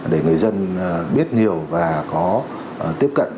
để người dân biết nhiều và có tiếp cận